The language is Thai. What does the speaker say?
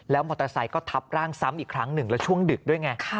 มอเตอร์ไซค์ก็ทับร่างซ้ำอีกครั้งหนึ่งแล้วช่วงดึกด้วยไง